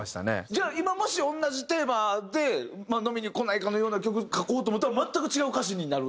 じゃあ今もし同じテーマで『飲みに来ないか』のような曲書こうと思ったら全く違う歌詞になる？